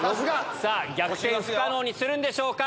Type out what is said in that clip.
さあ、逆転不可能にするんでしょうか。